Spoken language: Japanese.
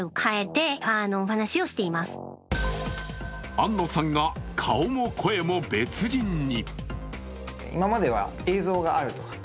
安野さんが、顔も声も別人に。